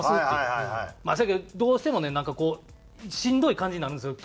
せやけどどうしてもなんかこうしんどい感じになるんですよ